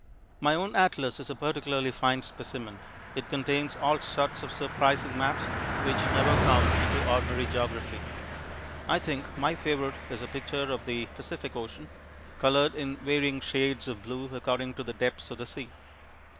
My own atlas is a particularly fine specimen. It contains all sorts of surprising maps which never come into ordinary geography. I think my favourite is a picture of the Pacific Ocean, coloured in varying shades of blue according to the depths of the sea.